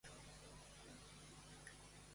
Està alterada avui aquesta?